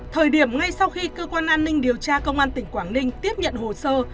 thời điểm ngay sau khi cơ quan an ninh điều tra công an tỉnh quảng ninh tiếp nhận hồ sơ